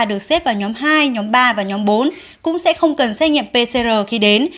được xếp vào nhóm hai nhóm ba và nhóm bốn cũng sẽ không cần xét nghiệm pcr khi đến